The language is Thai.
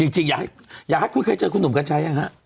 จริงอยากให้คุณเคยเจอคุณหนุ่มกัญชัยยังฮะ